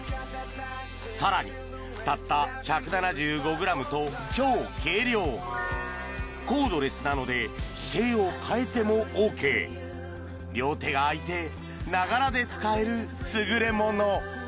さらにたった１７５ｇと超軽量コードレスなので姿勢を変えてもＯＫ両手が空いて「ながら」で使える優れもの